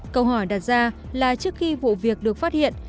câu hỏi đặt ra là trước khi vụ việc được phát hiện